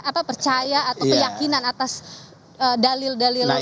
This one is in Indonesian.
apa percaya atau keyakinan atas dalil dalil